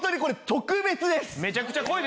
特別です。